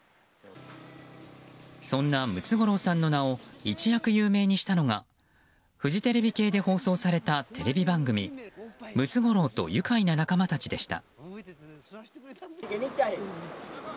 そんなムツゴロウさんの名を一躍有名にしたのがフジテレビ系で放送されたテレビ番組「ムツゴロウとゆかいな仲間たち」でした。